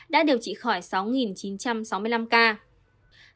đã điều trị khỏi số ca mắc covid một mươi chín